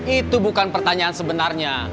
itu bukan pertanyaan sebenarnya